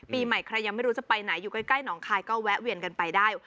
ปีใหม่ใครยังไม่รู้จะไปไหนอยู่ใกล้หนองคายก็แวะเวียนกันไปได้